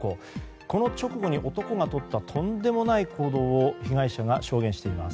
この直後に男がとったとんでもない行動を被害者が証言しています。